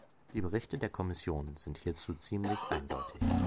Die Berichte der Kommission sind hierzu ziemlich eindeutig.